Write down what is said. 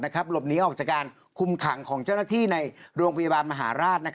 หลบหนีออกจากการคุมขังของเจ้าหน้าที่ในโรงพยาบาลมหาราช